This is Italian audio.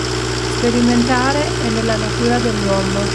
Sperimentare è nella natura dell’uomo